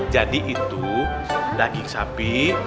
jadi itu daging sapi